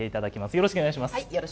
よろしくお願いします。